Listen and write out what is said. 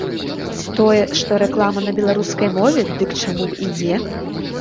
Тое, што рэклама на беларускай мове, дык чаму б і не?